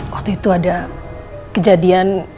waktu itu ada kejadian